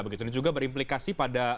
begitu ini juga berimplikasi pada